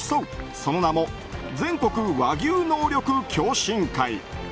その名も全国和牛能力共進会。